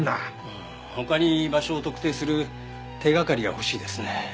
他に場所を特定する手掛かりが欲しいですね。